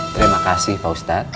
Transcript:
terima kasih pak ustaz